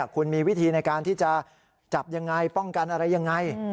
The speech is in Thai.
คุณมีวิธีในการที่จะจับยังไงป้องกันอะไรยังไง